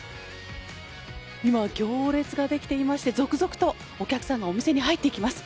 今、行列が出来ていまして、続々とお客さんがお店に入っていきます。